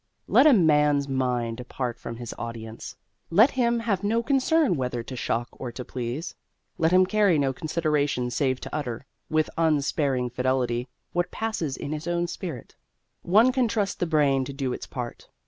Let a man's mind depart from his audience; let him have no concern whether to shock or to please. Let him carry no consideration save to utter, with unsparing fidelity, what passes in his own spirit. One can trust the brain to do its part.